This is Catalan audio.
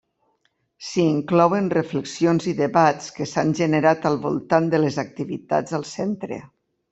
S'hi inclouen reflexions i debats que s'han generat al voltant de les activitats al centre.